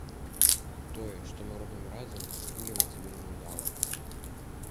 Тое, што мы робім разам, атрымліваецца вельмі ўдала.